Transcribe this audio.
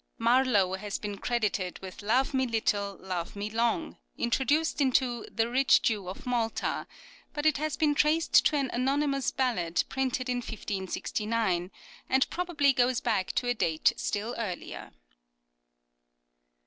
Marlowe has been credited with " Love me little, love me long," introduced into " The Rich Jew of Malta," but it has been traced to an anonymous ballad printed in 1569, and probably goes back to a date still earlier.